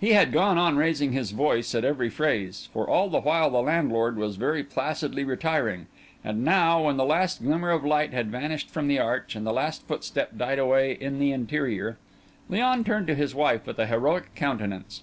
He had gone on raising his voice at every phrase, for all the while the landlord was very placidly retiring; and now, when the last glimmer of light had vanished from the arch, and the last footstep died away in the interior, Léon turned to his wife with a heroic countenance.